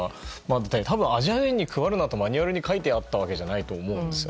アジア人に配るなとマニュアルに書いてあったわけじゃないと思うんですよ。